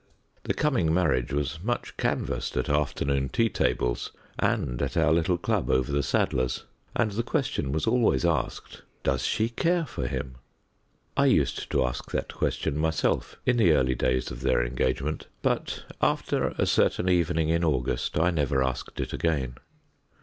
The coming marriage was much canvassed at afternoon tea tables, and at our little Club over the saddler's, and the question was always asked: "Does she care for him?" I used to ask that question myself in the early days of their engagement, but after a certain evening in August I never asked it again.